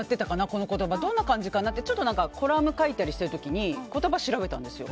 この言葉どんな感じかなってコラムを書いたりしてる時に言葉調べたんですよ。